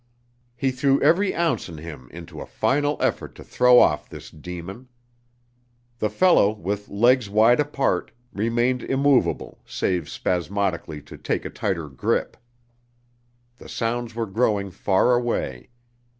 He threw every ounce in him into a final effort to throw off this demon. The fellow, with legs wide apart, remained immovable save spasmodically to take a tighter grip. The sounds were growing far away.